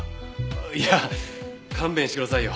いや勘弁してくださいよ。